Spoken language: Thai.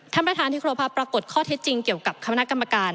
ท่านประธานที่ครบภาพปรากฏข้อเท็จจริงเกี่ยวกับคณะกรรมการ